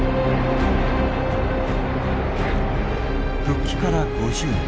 復帰から５０年。